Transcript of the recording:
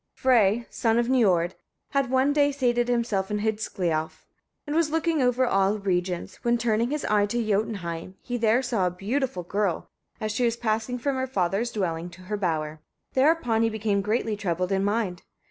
Frey, son of Niord; had one day seated himself in Hlidskialf, and was looking over all regions, when turning his eyes to Jotunheim, he there saw a beautiful girl, as she was passing from her father's dwelling to her bower. Thereupon he became greatly troubled in mind.